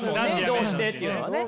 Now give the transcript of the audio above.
どうしてっていうのはね。